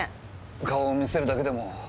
顔を見せるだけでも。